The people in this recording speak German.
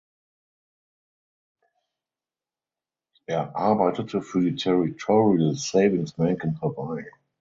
Er arbeitete für die Territorial Savings Bank in Hawaii.